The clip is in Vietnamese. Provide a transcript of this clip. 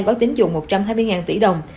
gói tín dụng một trăm hai mươi tỷ đồng